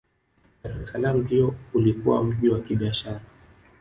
dr es salaam ndiyo ulikuwa mji wa kibiashara